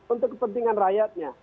untuk kepentingan rakyatnya